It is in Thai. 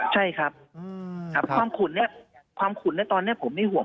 ใช่ครับความขุ่นเนี่ยตอนนี้ผมมีหวัง